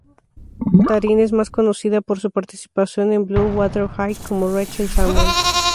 Taryn es más conocida por su participación en Blue Water High como Rachel Samuels.